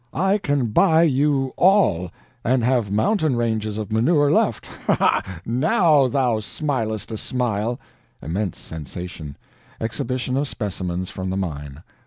I can buy you ALL, and have mountain ranges of manure left! Ha ha, NOW thou smilest a smile!" [Immense sensation.] Exhibition of specimens from the mine.